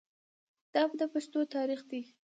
دا د پښتنو تاریخ دی.